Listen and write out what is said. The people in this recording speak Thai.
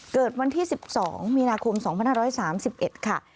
เกิดวันที่๑๒มีนาคม๒๕๓๑ค่ะ